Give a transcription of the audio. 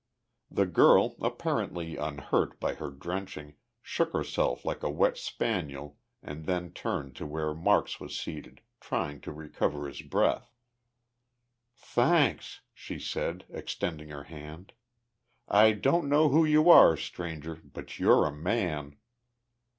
The girl, apparently unhurt by her drenching, shook herself like a wet spaniel and then turned to where Marks was seated, trying to recover his breath. "Thanks," she said, extending her hand. "I don't know who you are, stranger, but you're a man!"